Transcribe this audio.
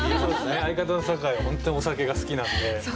相方の酒井は本当にお酒が好きなんで。